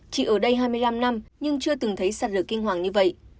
chỉ ở đây hai mươi năm năm nhưng chưa từng thấy sạt lở kinh hoàng như vậy